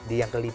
di yang kelima